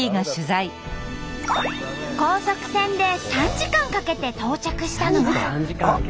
高速船で３時間かけて到着したのは。